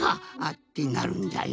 ってなるんじゃよ。